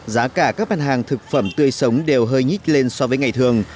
giá cả các bán hàng thực phẩm tươi sống đều hơi nhít lên so với ngày thường